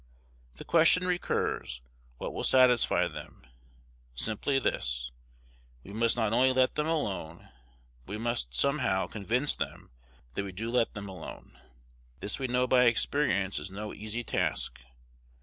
The question recurs, what will satisfy them? Simply this: We must not only let them alone, but we must, somehow, convince them that we do let them alone. This we know by experience is no easy task.